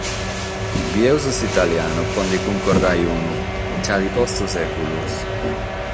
Bidimus s’italianu, pro nde cuncordare unu: b’at postu sèculos.